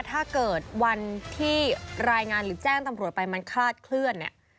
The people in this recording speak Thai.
ถ้าเกิดวันที่รายงานหรือแจ้งตำรวจไปมันคลาดเคลื่อนเนี่ย